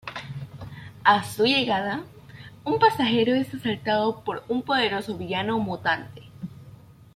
A su llegada, un pasajero es asaltado por un poderoso villano mutante.